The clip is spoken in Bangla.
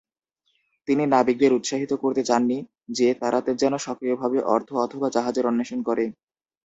তিনি নাবিকদের উৎসাহিত করতে চাননি যে, তারা যেন সক্রিয়ভাবে অর্থ অথবা জাহাজের অন্বেষণ করে।